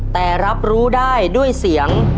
แต่รับรู้ได้ด้วยเสียง